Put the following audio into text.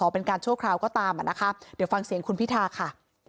เป็นการชั่วคราวก็ตามอ่ะนะคะเดี๋ยวฟังเสียงคุณพิธาค่ะ